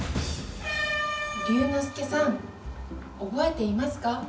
「竜ノ介さん覚えていますか？